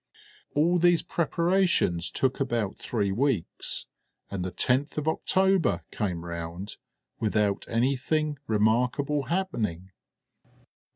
All these preparations took about three weeks, and the 10th of October came round without anything remarkable happening.